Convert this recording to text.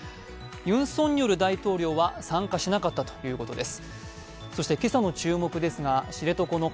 ユン・ソンニョル大統領は参加しなかったということです。